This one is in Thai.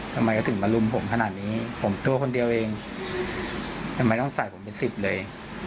ทำไมก็ถึงมารุมผมขนาดนี้ผมตัวคนเดียวเองทำไมต้องใส่ผมเป็นสิบเลย